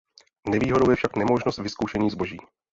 Nevýhodou je však nemožnost vyzkoušení zboží.